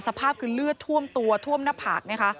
สภาพคือเลือดท่วมตัวท่วมหน้าผากนะคะ